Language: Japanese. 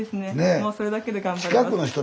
もうそれだけで頑張れます。